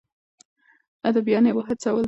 اديبان يې هڅول.